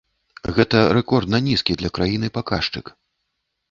Гэта рэкордна нізкі для краіны паказчык.